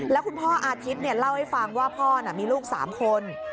แล้วคุณพ่ออาทิตย์เล่าให้ฟังว่าพ่อมีลูก๓คน